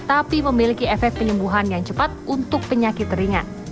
tapi memiliki efek penyembuhan yang cepat untuk penyakit ringan